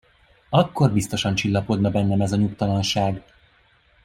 Akkor biztosan csillapodna bennem ez a nyugtalanság.